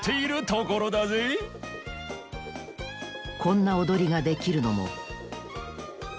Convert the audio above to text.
こんなおどりができるのも２４